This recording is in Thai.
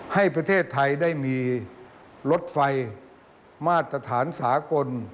ให้ประเทศไทยได้มีรถไฟมาตรฐานสากล